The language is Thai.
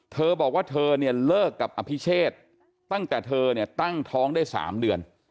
เธอบอกว่าเธอเนี่ยเลิกกับอภิเชษตั้งแต่เธอเนี่ยตั้งท้องได้๓เดือน